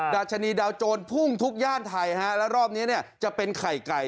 ราชนีดาวโจรพุ่งทุกย่านไทยฮะแล้วรอบนี้เนี่ยจะเป็นไข่ไก่